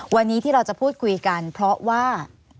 วันนี้ที่เราจะพูดคุยกันเพราะว่า